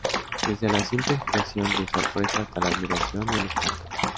Desde la simple expresión de sorpresa hasta la admiración y el espanto.